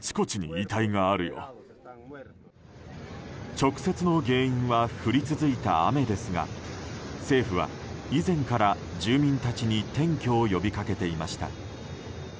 直接の原因は降り続いた雨ですが政府は以前から住民たちに転居を呼び掛けていました。